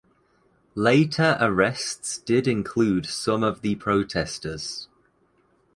Later arrests did include some of the protestors.